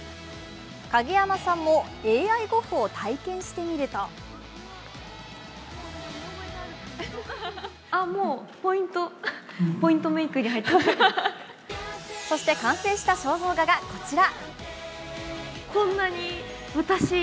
影山さんもＡＩゴッホを体験してみるとそして完成した肖像画がこちら。